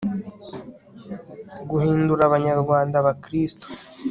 guhindura abanyarwanda abakristu